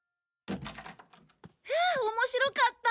面白かった！